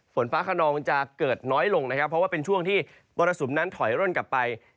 ฝนฟ้าคนนองจะเกิดน้อยลงเพราะว่าเป็นช่วงที่ประสุนทรายกลับนับกลับไป